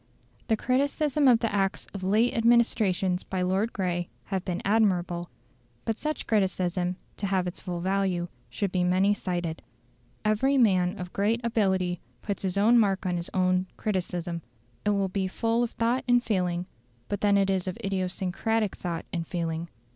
The criticism of the Acts of late administrations by Lord Grey has been admirable. But such criticism, to have its full value, should be many sided. Every man of great ability puts his own mark on his own criticism; it will be full of thought and feeling, but then it is of idiosyncratic thought and feeling.